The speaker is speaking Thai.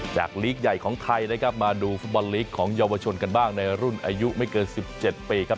ลีกใหญ่ของไทยนะครับมาดูฟุตบอลลีกของเยาวชนกันบ้างในรุ่นอายุไม่เกิน๑๗ปีครับ